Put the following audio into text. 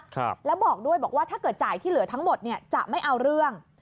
ครับแล้วบอกด้วยบอกว่าถ้าเกิดจ่ายที่เหลือทั้งหมดเนี่ยจะไม่เอาเรื่อง